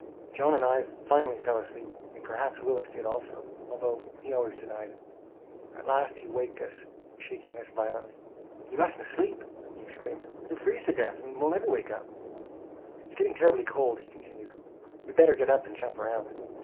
John and I finally fell asleep, and perhaps Willis did also, although he always denied it. At last he waked us, shaking us violently. "You mustn't sleep!" he exclaimed. "You'll freeze to death and never wake up!" "It's getting terribly cold," he continued; "we'd better get up and jump round."